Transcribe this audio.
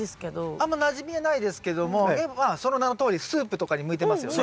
あんまなじみはないですけどもでもまあその名のとおりスープとかに向いてますよね。